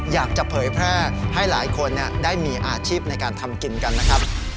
อยากจะเผยแพร่ให้หลายคนได้มีอาชีพในการทำกินกันนะครับ